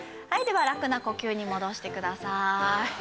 ではラクな呼吸に戻してください。